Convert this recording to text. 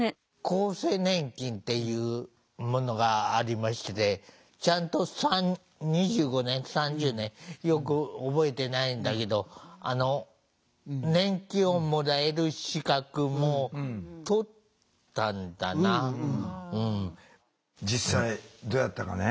厚生年金っていうものがありましてちゃんと２５年３０年よく覚えてないんだけど実際どうやったかね？